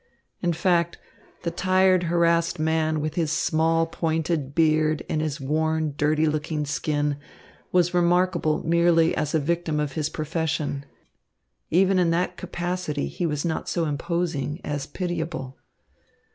In fact, the tired, harassed man, with his small, pointed beard and his worn, dirty looking skin, was remarkable merely as a victim of his profession. Even in that capacity he was not so imposing as pitiable.